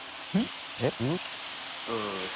えっ？